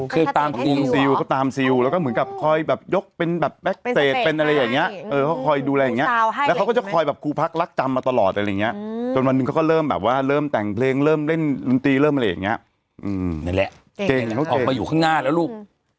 คือตามกรุงซิลเขาตามซิลแล้วก็เหมือนกับคอยแบบยกเป็นแบบแบ็คเซตเป็นอะไรอย่างนี้เขาคอยดูแลอย่างเงี้ยแล้วเขาก็จะคอยแบบครูพักรักจำมาตลอดอะไรอย่างเงี้ยจนวันหนึ่งเขาก็เริ่มแบบว่าเริ่มแต่งเพลงเริ่มเล่นดนตรีเริ่มอะไรอย่างเงี้ยนั่นแหละเจนเขาออกมาอยู่ข้างหน้าแล้วลูก